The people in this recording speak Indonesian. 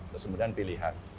terus kemudian pilihan